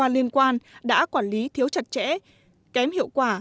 liên quan đã quản lý thiếu chặt chẽ kém hiệu quả